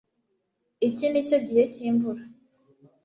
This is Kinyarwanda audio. Iki nicyo gihe cyimvura